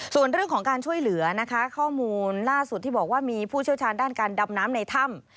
ส่วนเรื่องของการช่วยเหลือนะคะข้อมูลล่าสุดที่บอกว่ามีผู้เชี่ยวชาญด้านการดำน้ำในถ้ำ